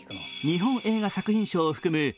日本映画作品賞を含む